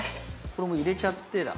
これもう入れちゃってだ